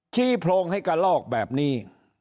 โพรงให้กระลอกแบบนี้